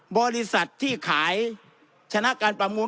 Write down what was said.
บริษัทที่ขายชนะการประมูล